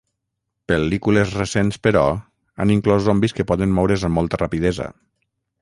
Pel·lícules recents, però, han inclòs zombis que poden moure's amb molta rapidesa.